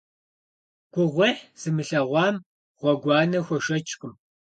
Гугъуехь зымылъэгъуам гъуэгуанэ хуэшэчкъым.